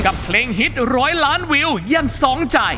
กับเพลงฮิตร้อยล้านวิวยังสองใจ